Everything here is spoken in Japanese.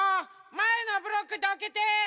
まえのブロックどけて！